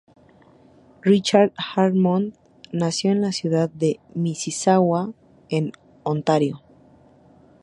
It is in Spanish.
Richard Harmon nació en la ciudad de Mississauga en Ontario.